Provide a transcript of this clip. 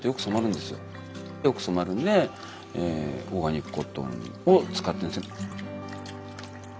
よく染まるんでオーガニックコットンを使ってるんですね。